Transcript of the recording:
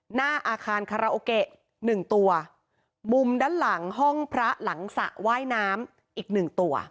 หน้าอาคารคาราโอเกะหนึ่งตัวมุมด้านหลังห้องพระหลังสระว่ายน้ำอีกหนึ่งตัว